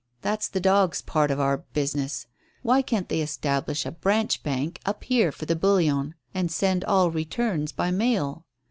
That's the dog's part of our business. Why can't they establish a branch bank up here for the bullion and send all 'returns' by mail?